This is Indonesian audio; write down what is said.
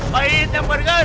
baik tempat ikan